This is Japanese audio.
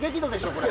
これ。